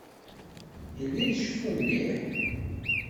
Yella iceffu mliḥ.